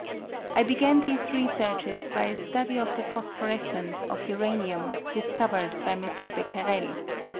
I began these researches by a study of the phosphorescence of uranium, discovered by M. Becquerel.